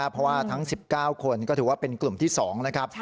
เพราะว่าทั้ง๑๙คนก็ถือว่าเป็นกลุ่มที่๒นะครับ